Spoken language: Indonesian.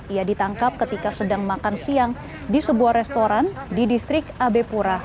ia ditangkap ketika sedang makan siang di sebuah restoran di distrik abe pura